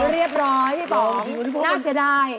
เรียบร้อยพี่ป๋องน่าเสียดาย